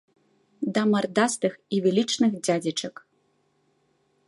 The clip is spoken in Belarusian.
Да мардастых і велічных дзядзечак.